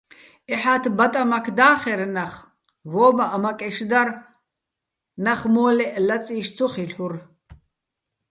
ეჰ̦ა́თ ბატამაქ და́ხერ ნახ, ვო́მაჸ მაკეშ დარ, ნახ მო́ლეჸ ლაწი́შ ცო ხილ'ურ.